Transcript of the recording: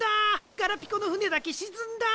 ガラピコのふねだけしずんだ！